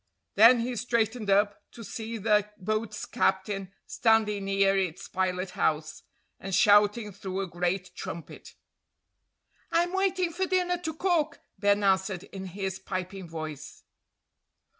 Then he straightened up, to see the boat's captain standing near its pilot house, and shouting through a great trumpet. "I'm waiting for dinner to cook," Ben answered in his piping voice.